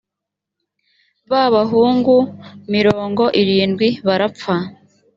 babahungu mirongo irindwi barapfa